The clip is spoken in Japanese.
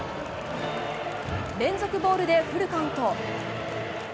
連続ボールでフルカウント。